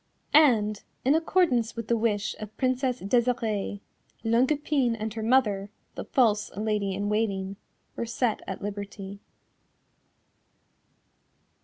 And, in accordance with the wish of Princess Desirée, Longue Epine and her mother, the false Lady in Waiting, were set at liberty.